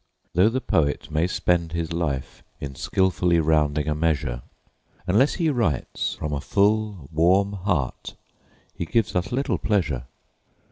Though the poet may spend his life in skilfully rounding a measure, Unless he writes from a full, warm heart he gives us little pleasure.